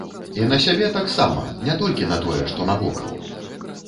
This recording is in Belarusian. І на сябе таксама, не толькі на тое, што навокал.